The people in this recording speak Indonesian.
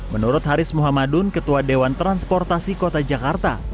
menurut haris muhammadun ketua dewan transportasi kota jakarta